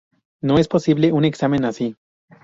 No es posible un examen así.